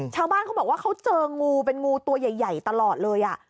ชาวบ้านเขาบอกว่าเขาเจองูเป็นงูตัวใหญ่ตลอดเลย